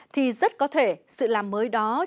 thì rất có thể sự làm mới đó chỉ là một cách làm mới